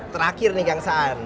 terakhir nih kang saan